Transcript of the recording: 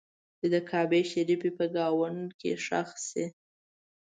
چې د کعبې شریفې په ګاونډ کې ښخ شي.